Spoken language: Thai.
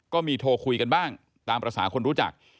ก็มีโทรคุยกันบ้างตามภาษาคนรู้จัก